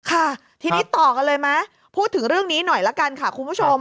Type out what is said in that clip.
ค่ะทีนี้ต่อกันเลยไหมพูดถึงเรื่องนี้หน่อยละกันค่ะคุณผู้ชม